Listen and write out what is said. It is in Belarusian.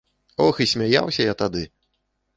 Ох, і смяяўся я тады!